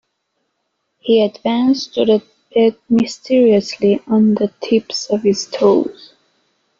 He advanced to the bed mysteriously on the tips of his toes.